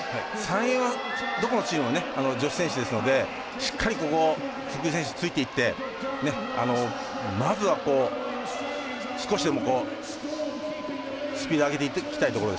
３泳は、どこのチームも女性選手ですのでしっかり福井選手ついていって少しでも、スピードを上げていきたいところ。